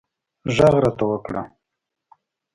غږ راته وکړه